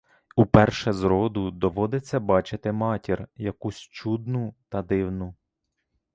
Уперше зроду доводиться бачити матір якусь чудну та дивну.